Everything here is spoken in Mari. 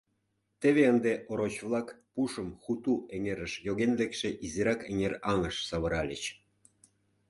Теве ынде ороч-влак пушым Хуту эҥерыш йоген лекше изирак эҥер аҥыш савыральыч.